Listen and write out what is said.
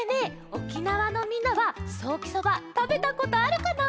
沖縄のみんなはソーキそばたべたことあるかな？